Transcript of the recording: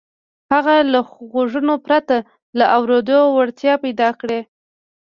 هغه له غوږونو پرته د اورېدو وړتيا پيدا کړي.